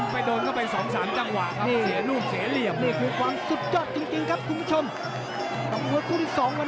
ไปโดนก็ไปสองสามจังหวะครับเสียรูปเสียเหลี่ยมเลย